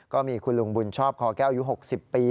ก็มีคุณลุงบุญชอบคอแก้วอายุ๖๐ปี